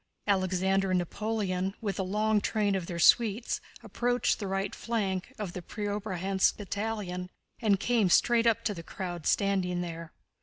Alexander and Napoleon, with the long train of their suites, approached the right flank of the Preobrazhénsk battalion and came straight up to the crowd standing there.